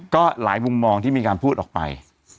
ก็หลายมุมมองที่มีการพูดออกไป